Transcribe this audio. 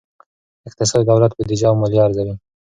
اقتصاد د دولت بودیجه او مالیه ارزوي.